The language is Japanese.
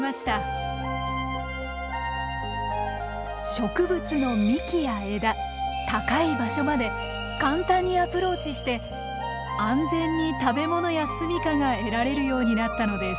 植物の幹や枝高い場所まで簡単にアプローチして安全に食べ物やすみかが得られるようになったのです。